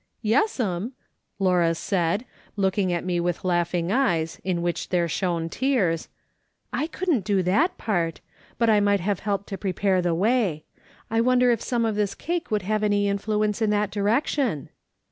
" Yes'm/' Laura said, looking at me with laughing eyes in which there shone tears ;" I couldn't do that x>art, but I might have helped to prepare the way. I wonder if some of this cake would have any influence in that direction